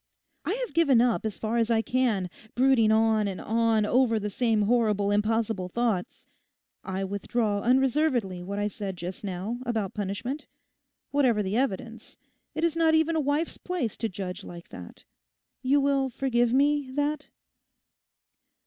I have given up as far as I can brooding on and on over the same horrible impossible thoughts. I withdraw unreservedly what I said just now about punishment. Whatever the evidence, it is not even a wife's place to judge like that. You will forgive me that?